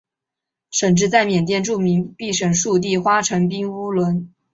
县治在缅甸著名避暑胜地花城彬乌伦。